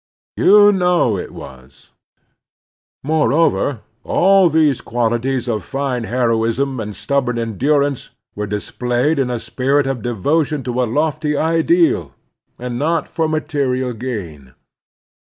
You know it was. Moreover, all these qualities of fine heroism and stubborn endurance were displayed in a spirit of devotion to a lofty ideal, and not for material gain.